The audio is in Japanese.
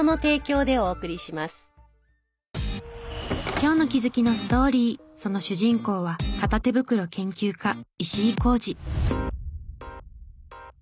今日の気づきのストーリーその主人公は片手袋研究家石井公二。